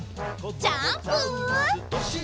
ジャンプ！